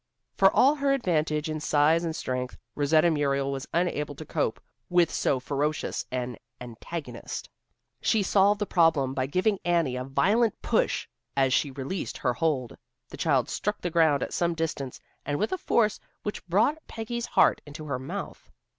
For all her advantage in size and strength, Rosetta Muriel was unable to cope with so ferocious an antagonist. She solved the problem by giving Annie a violent push, as she released her hold. The child struck the ground at some distance and with a force which brought Peggy's heart into her mouth.